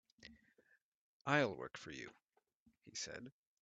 "I'll work for you," he said.